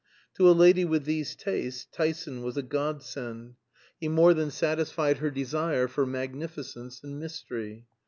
To a lady with these tastes Tyson was a godsend; he more than satisfied her desire for magnificence and mystery.